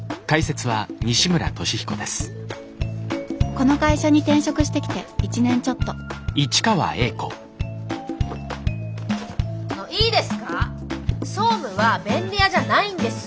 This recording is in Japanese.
この会社に転職してきて１年ちょっといいですか総務は便利屋じゃないんです。